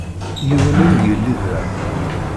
Yiwen ur yelli da.